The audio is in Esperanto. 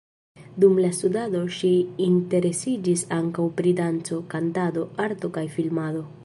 Dum la studado ŝi interesiĝis ankaŭ pri danco, kantado, arto kaj filmado.